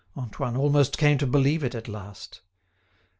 Antoine almost came to believe it at last.